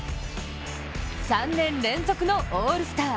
３年連続のオールスター。